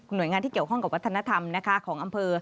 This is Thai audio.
โดยงานที่เกี่ยวข้องกับวัฒนธรรมของอำเภอ